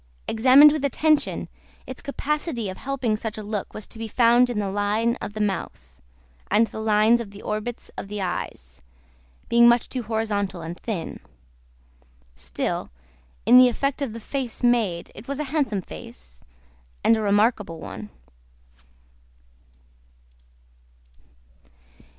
Examined with attention, its capacity of helping such a look was to be found in the line of the mouth, and the lines of the orbits of the eyes, being much too horizontal and thin; still, in the effect of the face made, it was a handsome face, and a remarkable one.